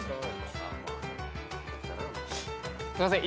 すいません。